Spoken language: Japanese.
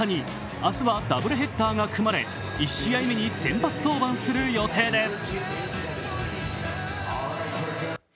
明日はダブルヘッダーが組まれ、１試合目の先発登板する予定です。